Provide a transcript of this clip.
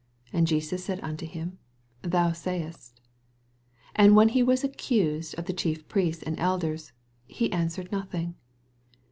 And Jesas said unto him. Thou sayest. 12 And when he was accused of the Chief Priests and elders, he answered nothing.